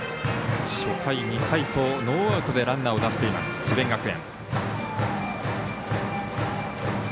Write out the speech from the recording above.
初回、２回とノーアウトでランナーを出しています智弁学園。